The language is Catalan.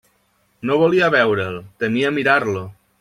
No volia veure'l: temia mirar-lo!